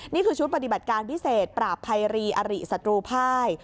นี่คือชุดปฏิบัติการพิเศษปราบภัยรีอริสัตรูภาย